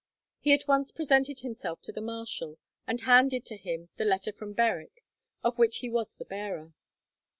He at once presented himself to the marshal, and handed to him the letter from Berwick, of which he was the bearer.